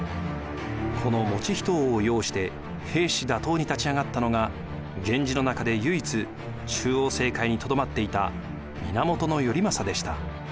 この以仁王を擁して平氏打倒に立ち上がったのが源氏の中で唯一中央政界に留まっていた源頼政でした。